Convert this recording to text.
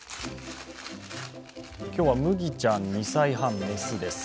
今日は夢希ちゃん２歳半、雌です。